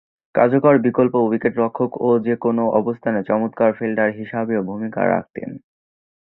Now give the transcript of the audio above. কার্যকর বিকল্প উইকেট-রক্ষক ও যে-কোন অবস্থানে চমৎকার ফিল্ডার হিসেবেও ভূমিকা রাখতেন।